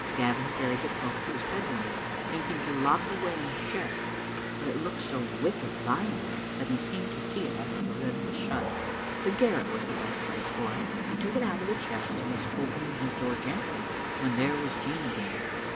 Gavin carried the cloak to his bed room, thinking to lock it away in his chest, but it looked so wicked lying there that he seemed to see it after the lid was shut. The garret was the best place for it. He took it out of the chest and was opening his door gently, when there was Jean again.